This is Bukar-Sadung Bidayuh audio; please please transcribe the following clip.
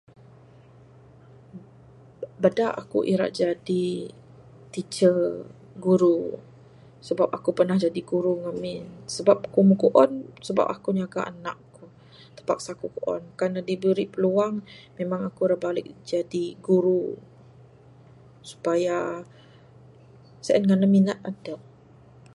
Bada aku ira jadi teacher, guru sabab aku pernah Jadi guru ngamin, sabab aku meh kuon sebab aku nyaga anak ku terpaksa ku kuon. Kalau diberi peluang memang aku ra balik Jadi guru supaya sien ngan ne minat adep.